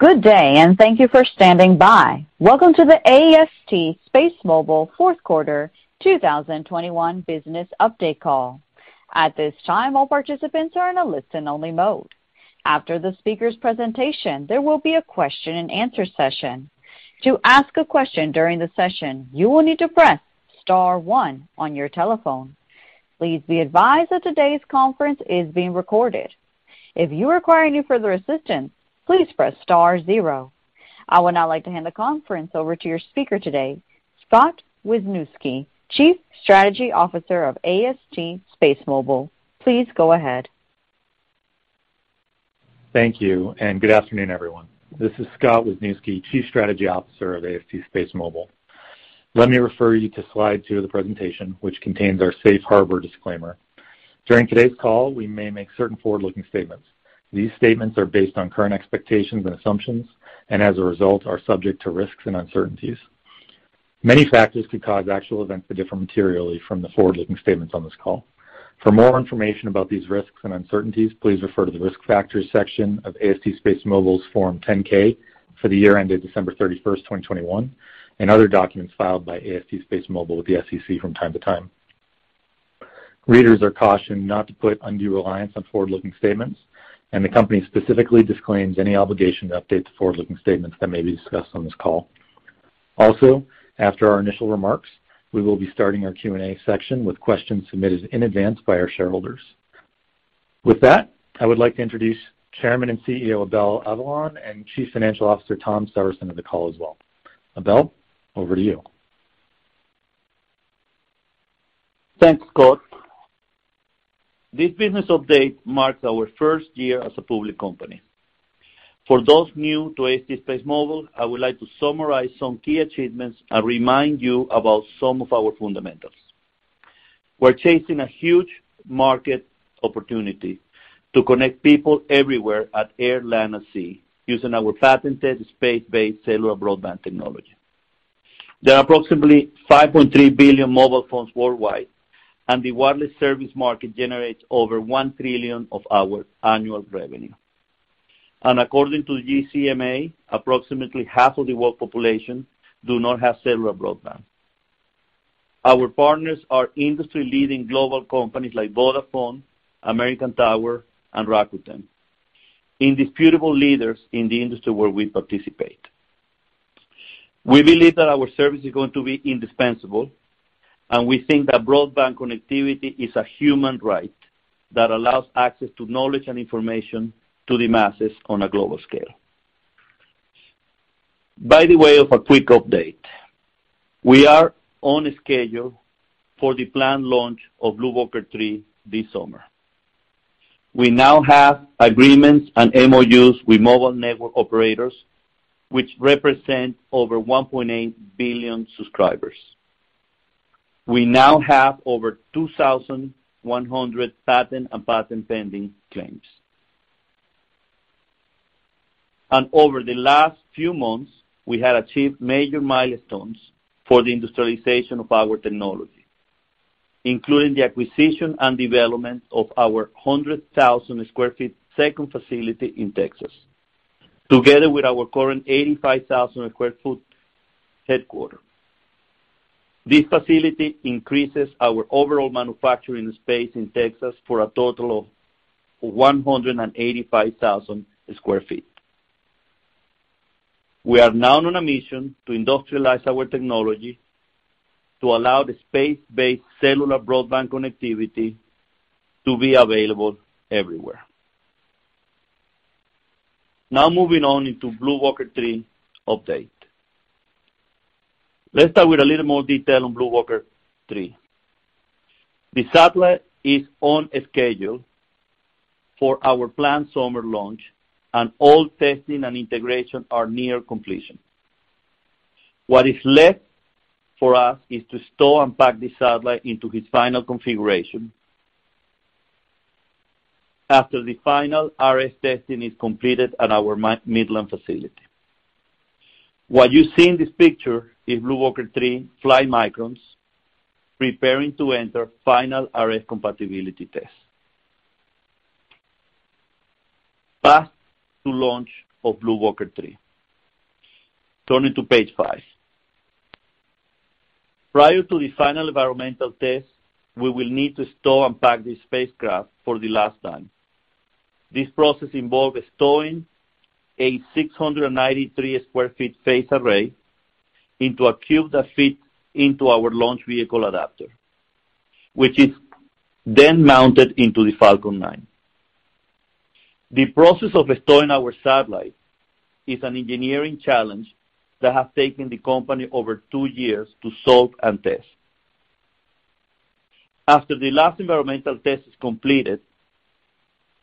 Good day, and thank you for standing by. Welcome to the AST SpaceMobile fourth quarter 2021 business update call. At this time, all participants are in a listen-only mode. After the speaker's presentation, there will be a question and answer session. To ask a question during the session, you will need to press star one on your telephone. Please be advised that today's conference is being recorded. If you require any further assistance, please press star zero. I would now like to hand the conference over to your speaker today, Scott Wisniewski, Chief Strategy Officer of AST SpaceMobile. Please go ahead. Thank you, and good afternoon, everyone. This is Scott Wisniewski, Chief Strategy Officer of AST SpaceMobile. Let me refer you to Slide 2 of the presentation, which contains our safe harbor disclaimer. During today's call, we may make certain forward-looking statements. These statements are based on current expectations and assumptions, and as a result, are subject to risks and uncertainties. Many factors could cause actual events to differ materially from the forward-looking statements on this call. For more information about these risks and uncertainties, please refer to the Risk Factors section of AST SpaceMobile's Form 10-K for the year ended December 31, 2021, and other documents filed by AST SpaceMobile with the SEC from time to time. Readers are cautioned not to put undue reliance on forward-looking statements, and the company specifically disclaims any obligation to update the forward-looking statements that may be discussed on this call. Also, after our initial remarks, we will be starting our Q&A section with questions submitted in advance by our shareholders. With that, I would like to introduce Chairman and CEO Abel Avellan and Chief Financial Officer Tom Severson to the call as well. Abel, over to you. Thanks, Scott. This business update marks our first year as a public company. For those new to AST SpaceMobile, I would like to summarize some key achievements and remind you about some of our fundamentals. We're chasing a huge market opportunity to connect people everywhere at air, land, and sea using our patented space-based cellular broadband technology. There are approximately 5.3 billion mobile phones worldwide, and the wireless service market generates over $1 trillion in annual revenue. According to GSMA, approximately half of the world population do not have cellular broadband. Our partners are industry-leading global companies like Vodafone, American Tower, and Rakuten, indisputable leaders in the industry where we participate. We believe that our service is going to be indispensable, and we think that broadband connectivity is a human right that allows access to knowledge and information to the masses on a global scale. By the way of a quick update, we are on schedule for the planned launch of BlueWalker 3 this summer. We now have agreements and MOUs with mobile network operators which represent over 1.8 billion subscribers. We now have over 2,100 patent and patent pending claims. Over the last few months, we have achieved major milestones for the industrialization of our technology, including the acquisition and development of our 100,000 sq ft second facility in Texas. Together with our current 85,000 sq ft headquarters. This facility increases our overall manufacturing space in Texas for a total of 185,000 sq ft. We are now on a mission to industrialize our technology to allow the space-based cellular broadband connectivity to be available everywhere. Now moving on into BlueWalker 3 update. Let's start with a little more detail on BlueWalker 3. The satellite is on schedule for our planned summer launch and all testing and integration are near completion. What is left for us is to store and pack the satellite into its final configuration after the final RF testing is completed at our Midland facility. What you see in this picture is BlueWalker 3 flight Microns preparing to enter final RF compatibility test. Path to launch of BlueWalker 3. Turning to page five. Prior to the final environmental test, we will need to store and pack the spacecraft for the last time. This process involves storing a 693 sq ft phased array into a cube that fits into our launch vehicle adapter, which is then mounted into the Falcon 9. The process of storing our satellite is an engineering challenge that has taken the company over two years to solve and test. After the last environmental test is completed,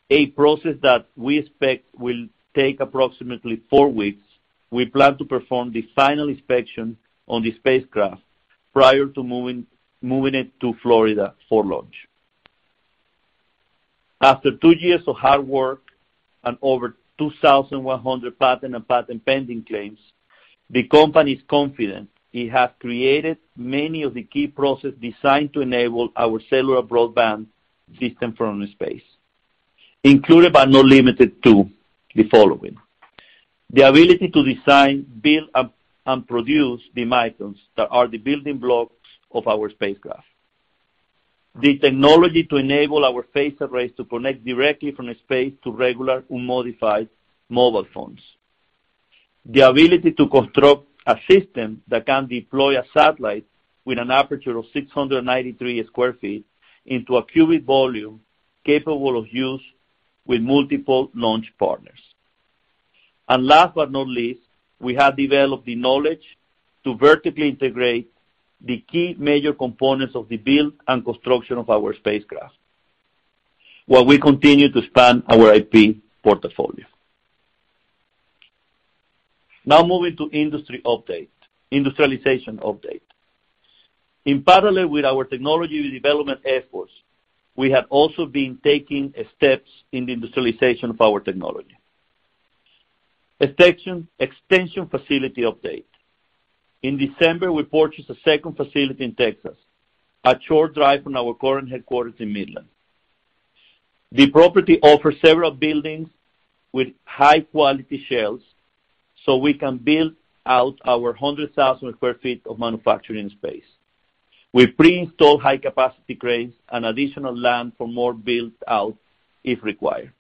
a process that we expect will take approximately four weeks, we plan to perform the final inspection on the spacecraft prior to moving it to Florida for launch. After two years of hard work and over 2,100 patent and patent pending claims. The company is confident it has created many of the key process designed to enable our cellular broadband system from space, including but not limited to the following. The ability to design, build, and produce the Microns that are the building blocks of our spacecraft. The technology to enable our phased arrays to connect directly from space to regular, unmodified mobile phones. The ability to construct a system that can deploy a satellite with an aperture of 693 sq ft into a cubic volume capable of use with multiple launch partners. Last but not least, we have developed the knowledge to vertically integrate the key major components of the build and construction of our spacecraft while we continue to expand our IP portfolio. Now moving to industrialization update. In parallel with our technology development efforts, we have also been taking steps in the industrialization of our technology. Extension facility update. In December, we purchased a second facility in Texas, a short drive from our current headquarters in Midland. The property offers several buildings with high-quality shells, so we can build out our 100,000 sq ft of manufacturing space. We've pre-installed high-capacity cranes and additional land for more build-out if required.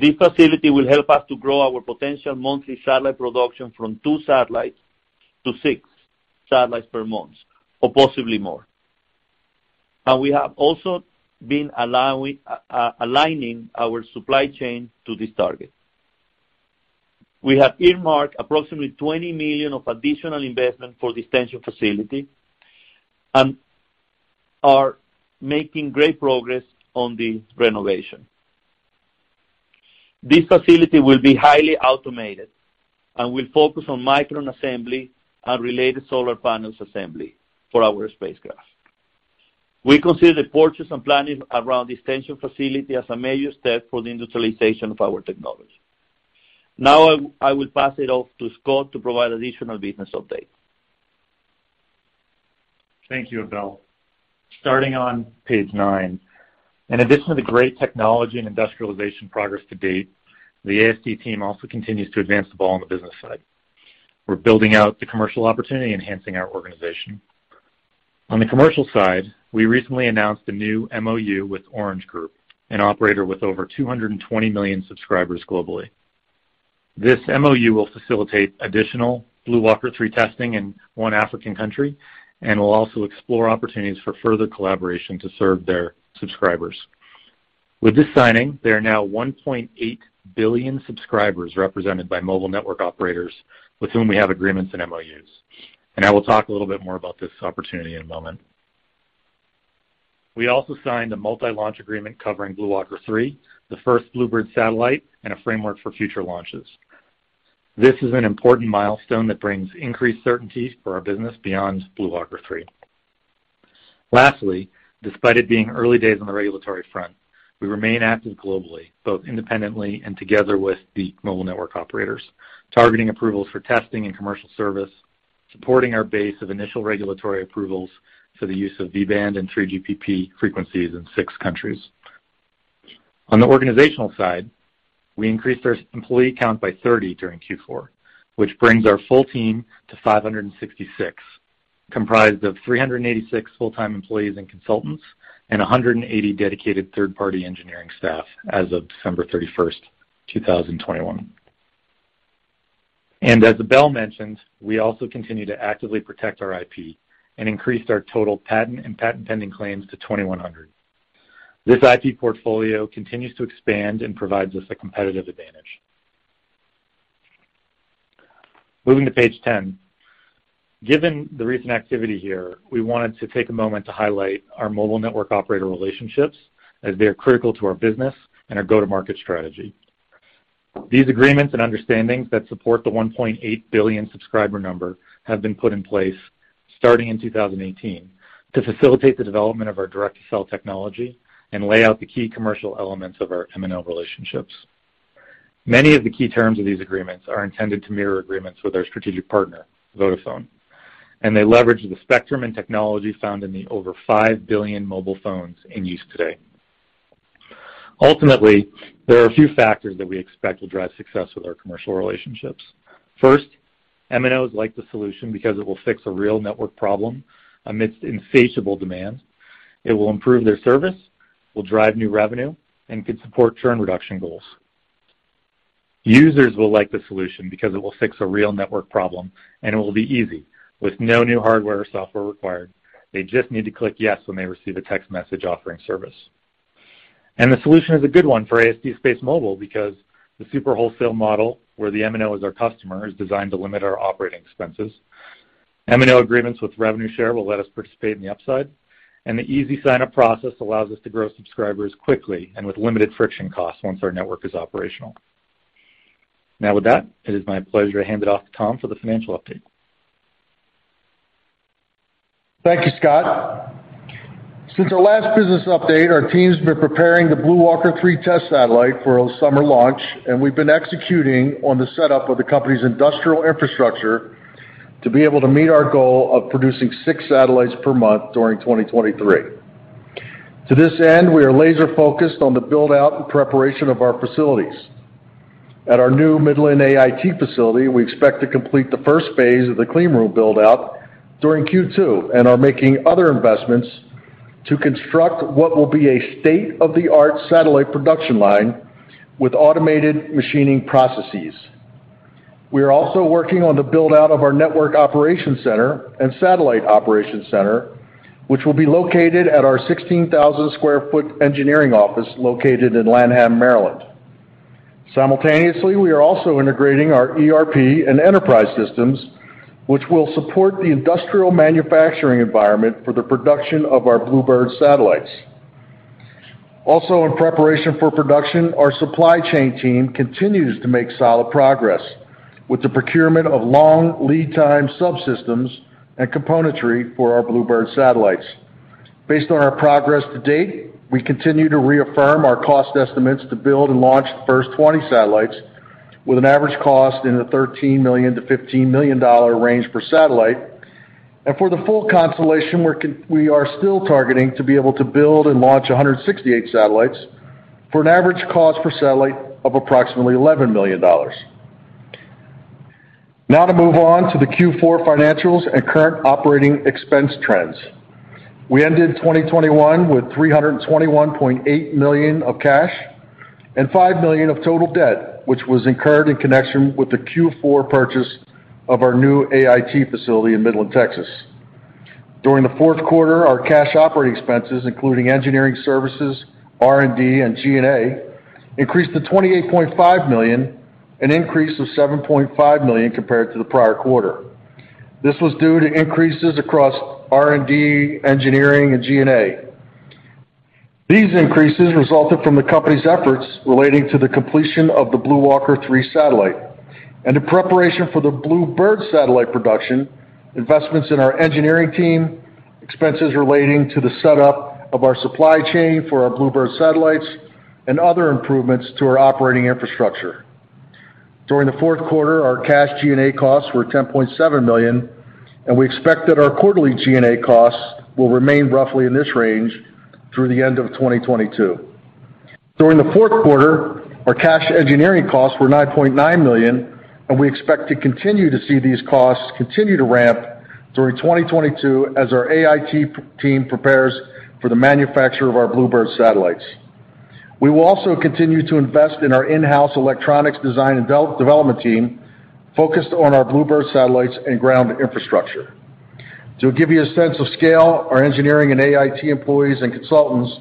This facility will help us to grow our potential monthly satellite production from two satellites to six satellites per month, or possibly more. We have also been aligning our supply chain to this target. We have earmarked approximately $20 million of additional investment for this extension facility and are making great progress on the renovation. This facility will be highly automated and will focus on Microns assembly and related solar panel assembly for our spacecraft. We consider the purchase and planning around this extension facility as a major step for the industrialization of our technology. I will pass it off to Scott to provide additional business updates. Thank you, Abel. Starting on page nine. In addition to the great technology and industrialization progress to date, the AST team also continues to advance the ball on the business side. We're building out the commercial opportunity, enhancing our organization. On the commercial side, we recently announced a new MOU with Orange, an operator with over 220 million subscribers globally. This MOU will facilitate additional BlueWalker 3 testing in one African country and will also explore opportunities for further collaboration to serve their subscribers. With this signing, there are now 1.8 billion subscribers represented by mobile network operators with whom we have agreements and MOUs. I will talk a little bit more about this opportunity in a moment. We also signed a multi-launch agreement covering BlueWalker 3, the first BlueBird satellite, and a framework for future launches. This is an important milestone that brings increased certainty for our business beyond BlueWalker 3. Lastly, despite it being early days on the regulatory front, we remain active globally, both independently and together with the mobile network operators, targeting approvals for testing and commercial service, supporting our base of initial regulatory approvals for the use of V-band and 3GPP frequencies in six countries. On the organizational side, we increased our employee count by 30 during Q4, which brings our full team to 566, comprised of 386 full-time employees and consultants and 180 dedicated third-party engineering staff as of December 31, 2021. As Abel mentioned, we also continue to actively protect our IP and increased our total patent and patent pending claims to 2,100. This IP portfolio continues to expand and provides us a competitive advantage. Moving to page 10. Given the recent activity here, we wanted to take a moment to highlight our mobile network operator relationships as they are critical to our business and our go-to-market strategy. These agreements and understandings that support the 1.8 billion subscriber number have been put in place starting in 2018 to facilitate the development of our direct-to-cell technology and lay out the key commercial elements of our MNO relationships. Many of the key terms of these agreements are intended to mirror agreements with our strategic partner, Vodafone. They leverage the spectrum and technology found in the over 5 billion mobile phones in use today. Ultimately, there are a few factors that we expect will drive success with our commercial relationships. First, MNOs like the solution because it will fix a real network problem amidst insatiable demand. It will improve their service, will drive new revenue, and could support churn reduction goals. Users will like the solution because it will fix a real network problem, and it will be easy with no new hardware or software required. They just need to click yes when they receive a text message offering service. The solution is a good one for AST SpaceMobile because the super wholesale model, where the MNO is our customer, is designed to limit our operating expenses. MNO agreements with revenue share will let us participate in the upside, and the easy sign-up process allows us to grow subscribers quickly and with limited friction costs once our network is operational. Now, with that, it is my pleasure to hand it off to Tom for the financial update. Thank you, Scott. Since our last business update, our team's been preparing the BlueWalker 3 test satellite for a summer launch, and we've been executing on the setup of the company's industrial infrastructure to be able to meet our goal of producing six satellites per month during 2023. To this end, we are laser-focused on the build-out and preparation of our facilities. At our new Midland AIT facility, we expect to complete the first phase of the clean room build-out during Q2, and are making other investments to construct what will be a state-of-the-art satellite production line with automated machining processes. We are also working on the build-out of our network operations center and satellite operations center, which will be located at our 16,000 sq ft engineering office located in Lanham, Maryland. Simultaneously, we are also integrating our ERP and enterprise systems, which will support the industrial manufacturing environment for the production of our BlueBird satellites. Also, in preparation for production, our supply chain team continues to make solid progress with the procurement of long lead time subsystems and componentry for our BlueBird satellites. Based on our progress to date, we continue to reaffirm our cost estimates to build and launch the first 20 satellites with an average cost in the $13 million-$15 million range per satellite. For the full constellation, we are still targeting to be able to build and launch 168 satellites for an average cost per satellite of approximately $11 million. Now to move on to the Q4 financials and current operating expense trends. We ended 2021 with $321.8 million of cash and $5 million of total debt, which was incurred in connection with the Q4 purchase of our new AIT facility in Midland, Texas. During the fourth quarter, our cash operating expenses, including engineering services, R&D, and G&A, increased to $28.5 million, an increase of $7.5 million compared to the prior quarter. This was due to increases across R&D, engineering and G&A. These increases resulted from the company's efforts relating to the completion of the BlueWalker 3 satellite. In preparation for the BlueBird satellite production, investments in our engineering team, expenses relating to the setup of our supply chain for our BlueBird satellites and other improvements to our operating infrastructure. During the fourth quarter, our cash G&A costs were $10.7 million, and we expect that our quarterly G&A costs will remain roughly in this range through the end of 2022. During the fourth quarter, our cash engineering costs were $9.9 million, and we expect to continue to see these costs ramp during 2022 as our AIT team prepares for the manufacture of our BlueBird satellites. We will also continue to invest in our in-house electronics design and development team focused on our BlueBird satellites and ground infrastructure. To give you a sense of scale, our engineering and AIT employees and consultants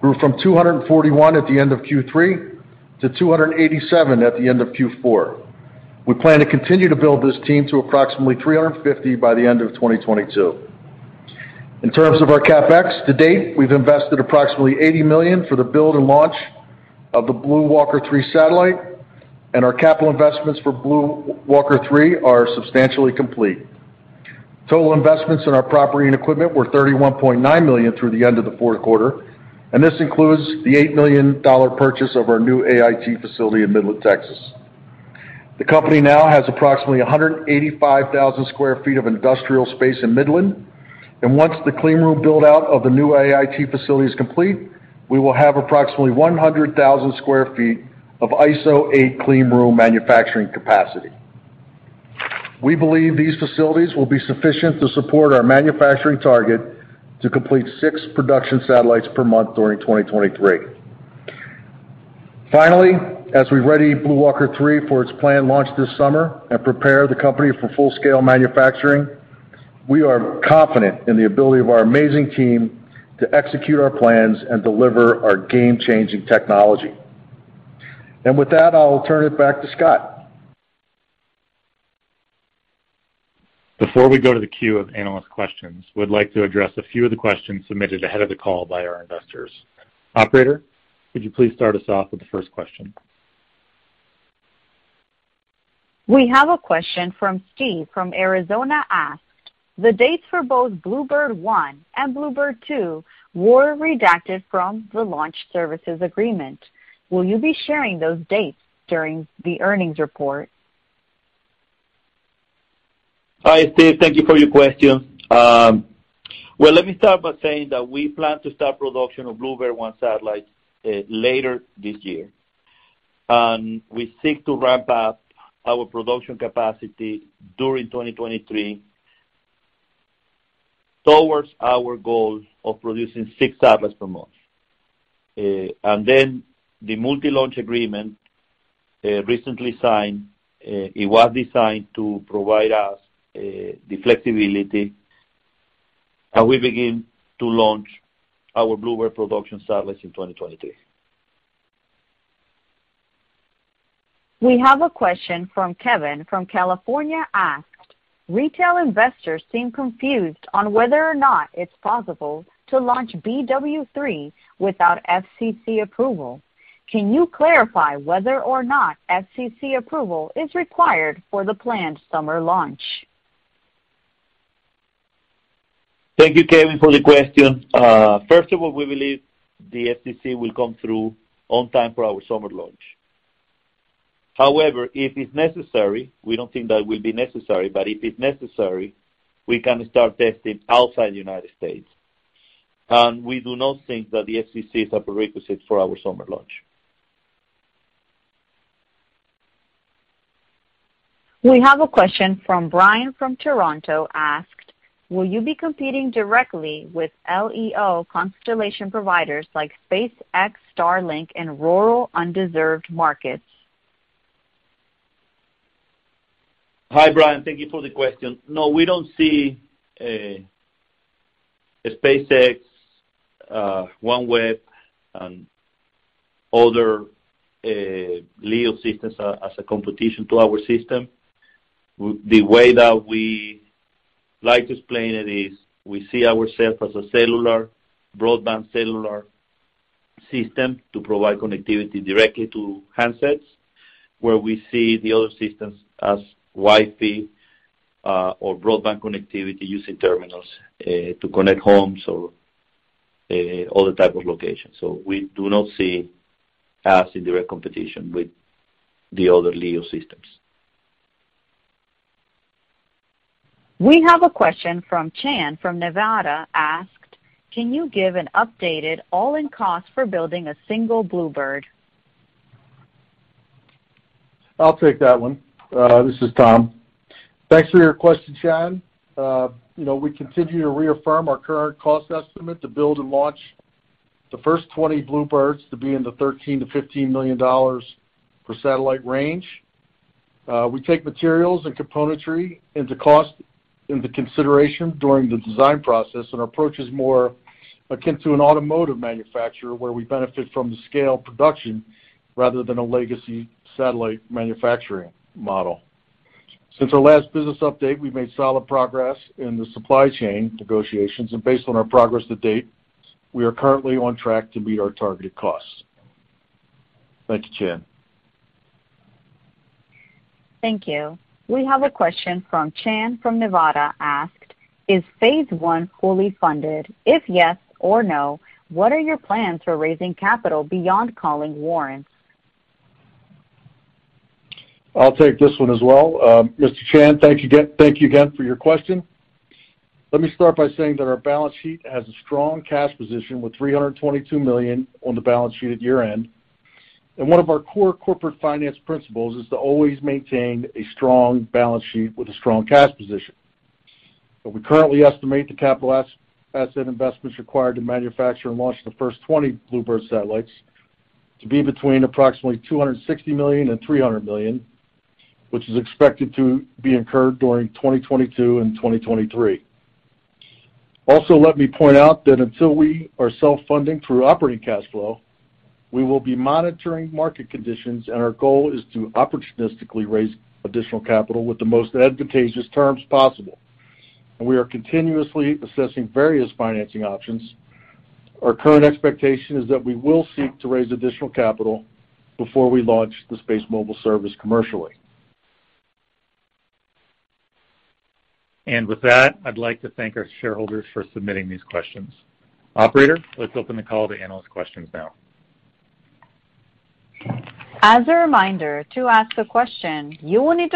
grew from 241 at the end of Q3 to 287 at the end of Q4. We plan to continue to build this team to approximately 350 by the end of 2022. In terms of our CapEx, to date, we've invested approximately $80 million for the build and launch of the BlueWalker 3 satellite, and our capital investments for BlueWalker 3 are substantially complete. Total investments in our property and equipment were $31.9 million through the end of the fourth quarter, and this includes the $8 million purchase of our new AIT facility in Midland, Texas. The company now has approximately 185,000 sq ft of industrial space in Midland, and once the clean room build-out of the new AIT facility is complete, we will have approximately 100,000 sq ft of ISO 8 clean room manufacturing capacity. We believe these facilities will be sufficient to support our manufacturing target to complete six production satellites per month during 2023. Finally, as we ready BlueWalker 3 for its planned launch this summer and prepare the company for full scale manufacturing, we are confident in the ability of our amazing team to execute our plans and deliver our game-changing technology. With that, I'll turn it back to Scott. Before we go to the queue of analyst questions, we'd like to address a few of the questions submitted ahead of the call by our investors. Operator, could you please start us off with the first question? We have a question from Steve from Arizona asked, "The dates for both BlueBird 1 and BlueBird 2 were redacted from the launch services agreement. Will you be sharing those dates during the earnings report? Hi, Steve. Thank you for your question. Let me start by saying that we plan to start production of BlueBird 1 satellites later this year. We seek to ramp up our production capacity during 2023 towards our goal of producing six satellites per month. The multi-launch agreement recently signed was designed to provide us the flexibility as we begin to launch our BlueBird production satellites in 2023. We have a question from Kevin from California asked, "Retail investors seem confused on whether or not it's possible to launch BlueWalker 3 without FCC approval. Can you clarify whether or not FCC approval is required for the planned summer launch? Thank you, Kevin, for the question. First of all, we believe the FCC will come through on time for our summer launch. However, if it's necessary, we don't think that will be necessary, but if it's necessary, we can start testing outside the United States. We do not think that the FCC is a prerequisite for our summer launch. We have a question from Brian from Toronto asked, "Will you be competing directly with LEO constellation providers like SpaceX, Starlink, and rural underserved markets? Hi, Brian. Thank you for the question. No, we don't see SpaceX, OneWeb, and other LEO systems as a competition to our system. The way that we like to explain it is we see ourself as a cellular broadband cellular system to provide connectivity directly to handsets, where we see the other systems as WiFi or broadband connectivity using terminals to connect homes or other type of locations. We do not see us in direct competition with the other LEO systems. We have a question from Chan from Nevada asked, "Can you give an updated all-in cost for building a single BlueBird? I'll take that one. This is Tom. Thanks for your question, Chan. You know, we continue to reaffirm our current cost estimate to build and launch the first 20 BlueBirds to be in the $13 million-$15 million per satellite range. We take materials and componentry costs into consideration during the design process, and our approach is more akin to an automotive manufacturer, where we benefit from the scale of production rather than a legacy satellite manufacturing model. Since our last business update, we've made solid progress in the supply chain negotiations, and based on our progress to date, we are currently on track to meet our targeted costs. Thank you, Chan. Thank you. We have a question from Chan from Nevada asked, "Is phase one fully funded? If yes or no, what are your plans for raising capital beyond calling warrants? I'll take this one as well. Mr. Chan, thank you again for your question. Let me start by saying that our balance sheet has a strong cash position with $322 million on the balance sheet at year-end. One of our core corporate finance principles is to always maintain a strong balance sheet with a strong cash position. We currently estimate the capital asset investments required to manufacture and launch the first 20 BlueBird satellites to be between approximately $260 million and $300 million, which is expected to be incurred during 2022 and 2023. Also, let me point out that until we are self-funding through operating cash flow, we will be monitoring market conditions, and our goal is to opportunistically raise additional capital with the most advantageous terms possible. We are continuously assessing various financing options. Our current expectation is that we will seek to raise additional capital before we launch the SpaceMobile service commercially. With that, I'd like to thank our shareholders for submitting these questions. Operator, let's open the call to analyst questions now. Our first question comes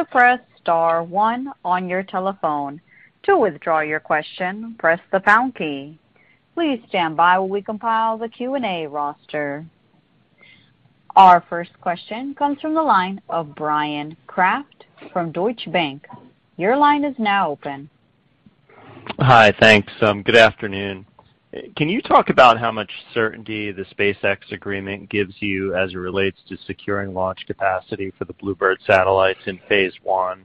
from the line of Bryan Kraft from Deutsche Bank. Your line is now open. Hi. Thanks. Good afternoon. Can you talk about how much certainty the SpaceX agreement gives you as it relates to securing launch capacity for the BlueBird satellites in phase one?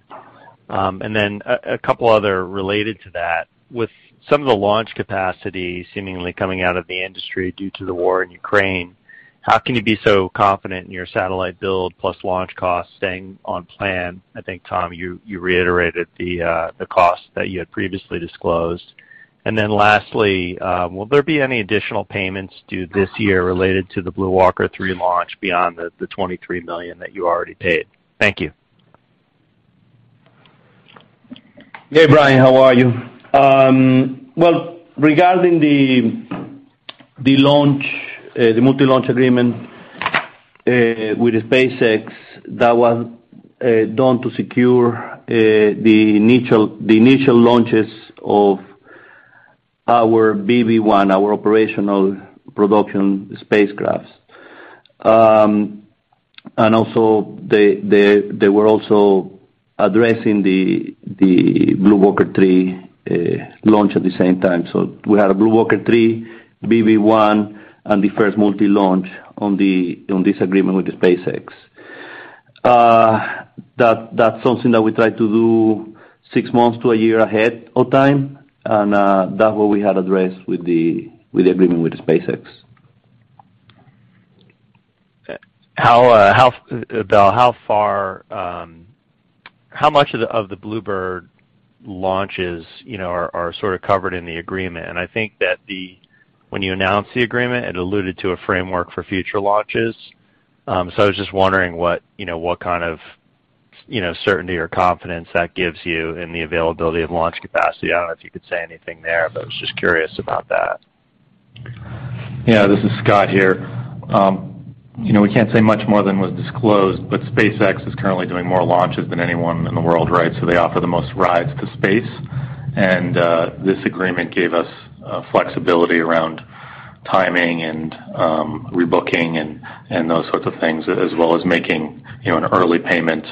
Then a couple other related to that. With some of the launch capacity seemingly coming out of the industry due to the war in Ukraine, how can you be so confident in your satellite build plus launch costs staying on plan? I think, Tom, you reiterated the cost that you had previously disclosed. Lastly, will there be any additional payments due this year related to the BlueWalker 3 launch beyond the $23 million that you already paid? Thank you. Hey, Brian. How are you? Well, regarding the launch, the multi-launch agreement with SpaceX, that was done to secure the initial launches of our BB1, our operational production spacecrafts. And also they were also addressing the BlueWalker 3 launch at the same time. We had a BlueWalker 3, BB1, and the first multi-launch on this agreement with SpaceX. That's something that we try to do six months to a year ahead of time, and that's what we had addressed with the agreement with SpaceX. How much of the BlueBird launches, you know, are sort of covered in the agreement? I think that when you announced the agreement, it alluded to a framework for future launches. I was just wondering what kind of, you know, certainty or confidence that gives you in the availability of launch capacity. I don't know if you could say anything there, but I was just curious about that. Yeah. This is Scott here. You know, we can't say much more than was disclosed, but SpaceX is currently doing more launches than anyone in the world, right? They offer the most rides to space. This agreement gave us flexibility around timing and rebooking and those sorts of things, as well as making, you know, an early payment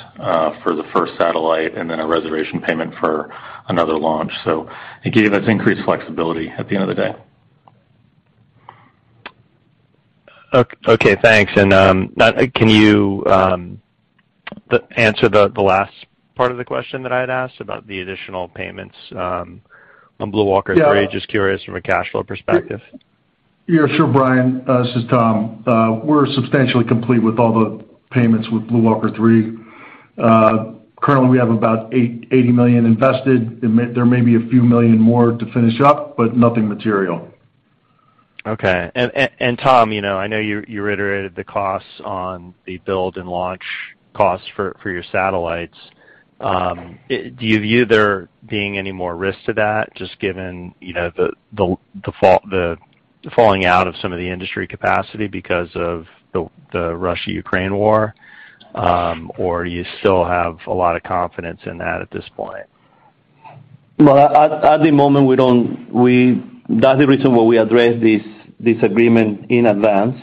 for the first satellite and then a reservation payment for another launch. It gave us increased flexibility at the end of the day. Okay, thanks. Now can you answer the last part of the question that I had asked about the additional payments on BlueWalker 3? Yeah. Just curious from a cash flow perspective. Yeah, sure, Brian. This is Tom. We're substantially complete with all the payments with BlueWalker 3. Currently we have about $880 million invested. There may be a few million more to finish up, but nothing material. Okay, Tom, you know, I know you reiterated the costs on the build and launch costs for your satellites. Do you view there being any more risk to that just given, you know, the falling out of some of the industry capacity because of the Russia-Ukraine war? Or do you still have a lot of confidence in that at this point? Well, at the moment we don't. That's the reason why we addressed this agreement in advance.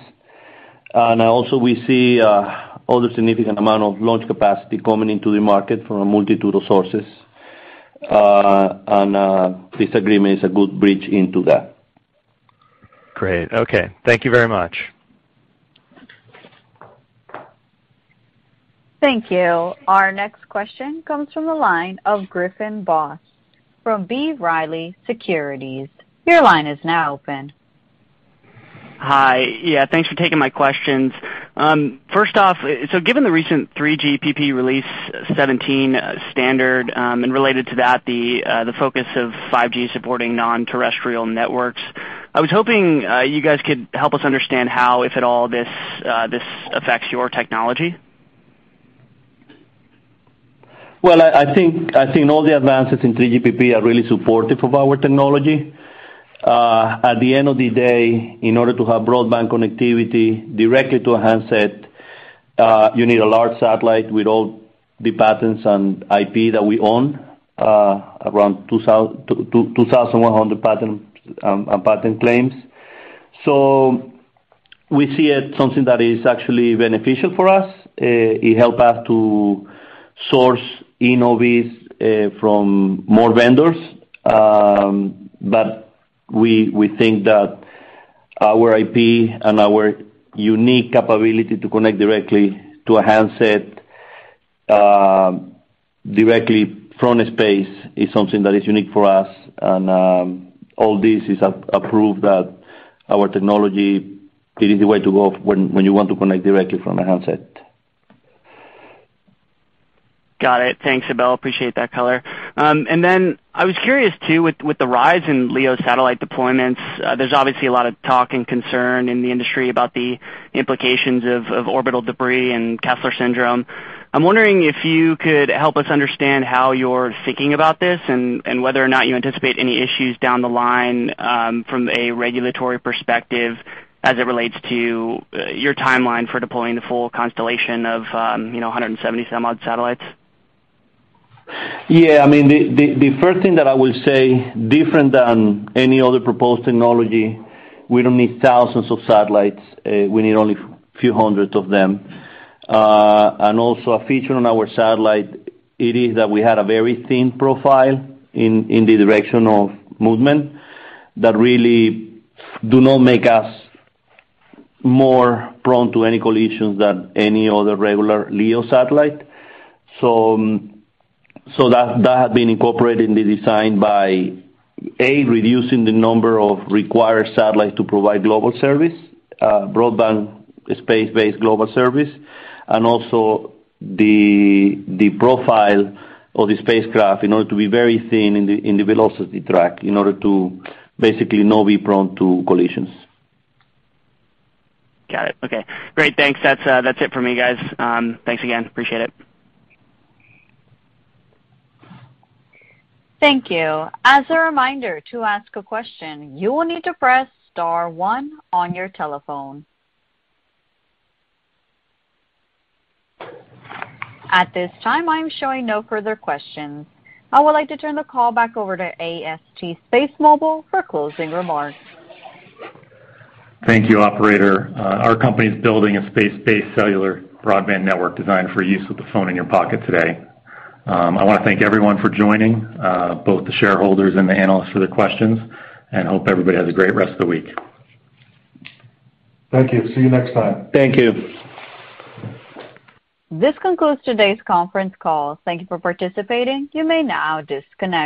Also we see other significant amount of launch capacity coming into the market from a multitude of sources. This agreement is a good bridge into that. Great. Okay. Thank you very much. Thank you. Our next question comes from the line of Griffin Boss from B. Riley Securities. Your line is now open. Hi. Yeah, thanks for taking my questions. First off, given the recent 3GPP Release 17 standard, and related to that the focus of 5G supporting non-terrestrial networks, I was hoping you guys could help us understand how, if at all, this affects your technology. Well, I think all the advances in 3GPP are really supportive of our technology. At the end of the day, in order to have broadband connectivity directly to a handset, you need a large satellite with all the patents and IP that we own, around 2,100 patent claims. So we see it something that is actually beneficial for us. It helps us to source innovations from more vendors. But we think that our IP and our unique capability to connect directly to a handset directly from space is something that is unique for us. All this is a proof that our technology is the way to go when you want to connect directly from a handset. Got it. Thanks, Abel. Appreciate that color. I was curious too with the rise in LEO satellite deployments. There's obviously a lot of talk and concern in the industry about the implications of orbital debris and Kessler Syndrome. I'm wondering if you could help us understand how you're thinking about this and whether or not you anticipate any issues down the line, from a regulatory perspective as it relates to your timeline for deploying the full constellation of, you know, 170-some-odd satellites. Yeah, I mean, the first thing that I will say different than any other proposed technology, we don't need thousands of satellites. We need only few hundreds of them. And also a feature on our satellite, it is that we had a very thin profile in the direction of movement that really do not make us more prone to any collisions than any other regular LEO satellite. So that had been incorporated in the design by reducing the number of required satellites to provide global service, broadband space-based global service. Also the profile of the spacecraft in order to be very thin in the velocity track in order to basically not be prone to collisions. Got it. Okay. Great. Thanks. That's it for me, guys. Thanks again. Appreciate it. Thank you. As a reminder, to ask a question, you will need to press star one on your telephone. At this time, I'm showing no further questions. I would like to turn the call back over to AST SpaceMobile for closing remarks. Thank you, operator. Our company is building a space-based cellular broadband network designed for use with the phone in your pocket today. I wanna thank everyone for joining, both the shareholders and the analysts for their questions, and hope everybody has a great rest of the week. Thank you. See you next time. Thank you. This concludes today's conference call. Thank you for participating. You may now disconnect.